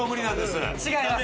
違います。